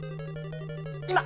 今！